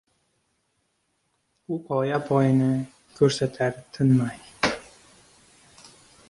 U qoya poyini ko’rsatar tinmay.